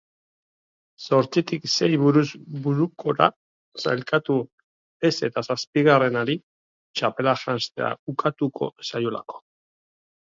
Zortzitik sei buruz burukora sailkatu ez eta zazpigarrenari txapela janztea ukatuko zaiolako.